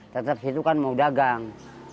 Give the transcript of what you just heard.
tetap situ kan mau dagang